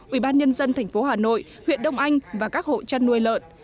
ubnd tp hà nội huyện đông anh và các hộ chăn nuôi lợn